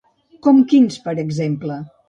Com quins, per exemple?